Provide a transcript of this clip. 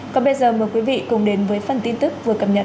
còn bây giờ mời quý vị cùng đến với phần tin tức vừa cập nhật